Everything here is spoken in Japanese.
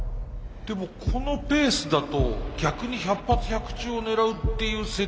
でもこのペースだと逆に百発百中を狙うっていうセッティングなんでしょうか？